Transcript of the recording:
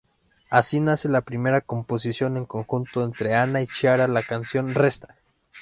Así nace la primera composición en conjunto entre Ana y Chiara: la canción "Resta".